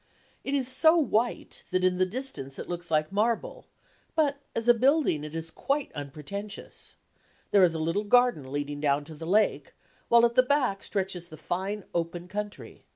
It is so white that in the distance it looks like marble, but as a building it is quite unpretentious. There is a little garden leading down to the lake, while at the back stretches the fine open country.